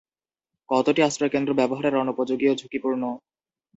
কতটি আশ্রয়কেন্দ্র ব্যবহারের অনুপযোগী ও ঝুঁকিপূর্ণ?